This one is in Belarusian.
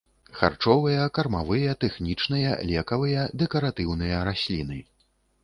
Харчовыя, кармавыя, тэхнічныя, лекавыя, дэкаратыўныя расліны.